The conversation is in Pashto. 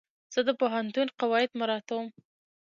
زه د پوهنتون قواعد مراعتوم.